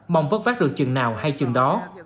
mong vất vác được chừng nào hay chừng đó